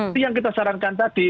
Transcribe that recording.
itu yang kita sarankan tadi